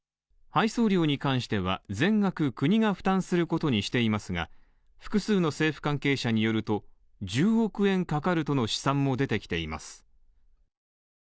配送料に関しては、全額国が負担することにしていますが、複数の政府関係者によると、１０億円かかるとの試算も出てきています。